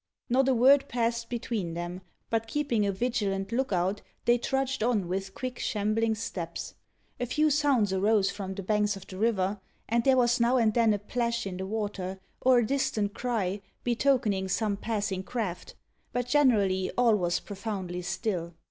Not a word passed between them; but keeping a vigilant look out, they trudged on with quick, shambling steps. A few sounds arose from the banks of the river, and there was now and then a plash in the water, or a distant cry, betokening some passing craft; but generally all was profoundly still.